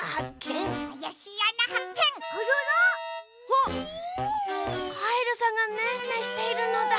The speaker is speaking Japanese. あっカエルさんがねんねしているのだ。